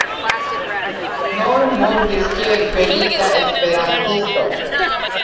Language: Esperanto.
Noll mortis kiel feliĉa esperantisto.